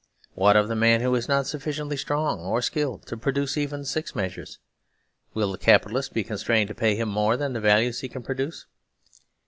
What of the man who is not sufficiently strong or skilled to produce even six measures ? Will the Capitalist be constrained to pay him more than the values he can produce